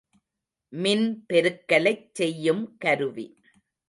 மின் பெருக்கலைச் செய்யும் கருவி.